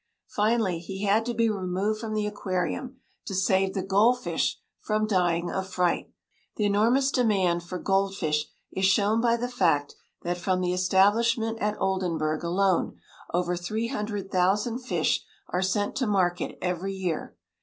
Finally he had to be removed from the aquarium, to save the gold fish from dying of fright. The enormous demand for gold fish is shown by the fact that from the establishment at Oldenburg alone over three hundred thousand fish are sent to market every year.